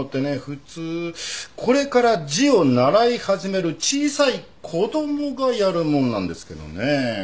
普通これから字を習い始める小さい子供がやるものなんですけどねえ。